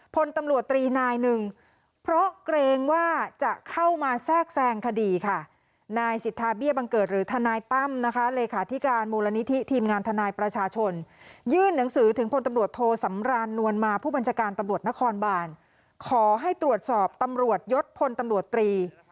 ผู้บัญชาการตำรวจนครบาลขอให้ตรวจสอบตำรวจยศพลตำรวจตรี